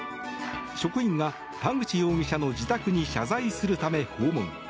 職員が田口容疑者の自宅に謝罪するため訪問。